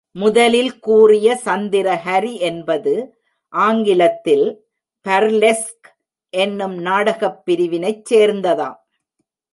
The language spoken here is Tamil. முதலில் கூறிய சந்திரஹரி என்பது ஆங்கிலத்தில் பர்லெஸ்க் என்னும் நாடகப் பிரிவினைச் சேர்ந்ததாம்.